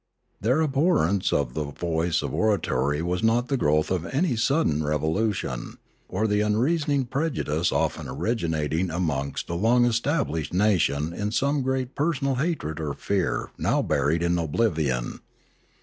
Their abhorrence of the vice of oratory was not the growth of any sudden revolution, or the unreasoning prejudice often originating amongst a long established nation in some great personal hatred or fear now buried in oblivion.